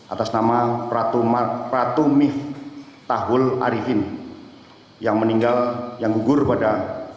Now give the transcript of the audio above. atas nama ratu miftahul arifin yang meninggal yang gugur pada